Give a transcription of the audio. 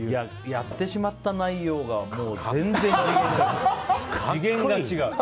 やってしまった内容が全然言えちゃう。